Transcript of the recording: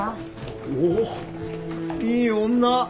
おおいい女！